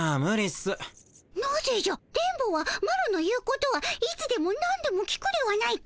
電ボはマロの言うことはいつでもなんでも聞くではないか。